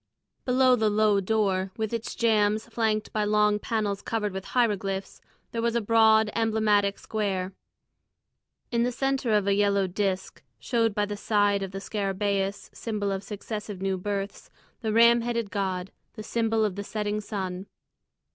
Below the low door, with its jambs flanked by long panels covered with hieroglyphs, there was a broad, emblematic square. In the centre of a yellow disc showed by the side of the scarabæus, symbol of successive new births, the ram headed god, the symbol of the setting sun.